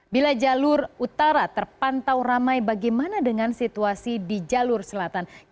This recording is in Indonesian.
bila jalur utara terpantau ramai bagaimana dengan situasi di jalur selatan